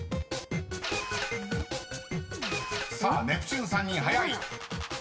［さあネプチューン３人早い］